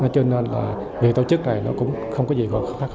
cho nên là việc tổ chức này nó cũng không có gì gọi khó khăn cả